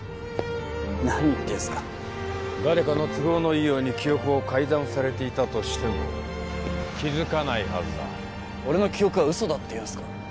何言ってんすか誰かの都合のいいように記憶を改ざんされていたとしても気づかないはずだ俺の記憶は嘘だっていうんすか？